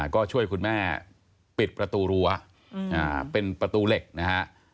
ก็ช่วยคุณแม่ปิดประตูรั้วเป็นประตูเหล็กนะฮะ